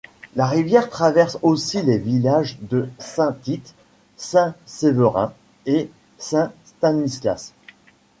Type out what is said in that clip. La rivière traverse aussi les villages de Saint-Tite, Saint-Séverin et Saint-Stanislas.